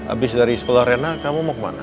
abis dari sekolah rena kamu mau kemana